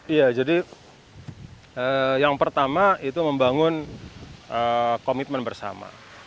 iya jadi yang pertama itu membangun komitmen bersama